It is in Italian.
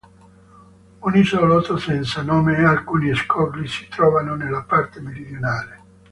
Un isolotto senza nome e alcuni scogli si trovano nella parte meridionale.